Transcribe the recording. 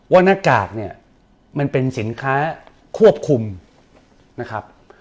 หน้ากากเนี่ยมันเป็นสินค้าควบคุมนะครับ